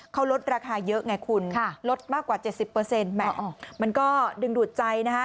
เขาลดราคาเยอะไงคุณลดมากกว่า๗๐แหม่มันก็ดึงดูดใจนะฮะ